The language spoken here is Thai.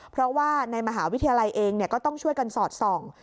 เพราะว่าในมหาวิทยาลัยเองก็ต้องช่วยกันสอดส่อง